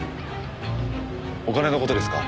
お金の事ですか？